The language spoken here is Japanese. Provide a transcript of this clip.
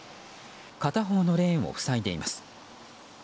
片方のレーンを塞いでいます。